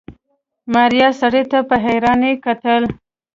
ماريا سړي ته په حيرانۍ کتل.